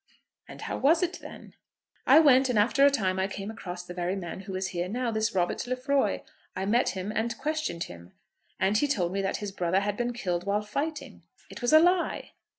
"And how was it, then?" "I went, and after a time I came across the very man who is here now, this Robert Lefroy. I met him and questioned him, and he told me that his brother had been killed while fighting. It was a lie."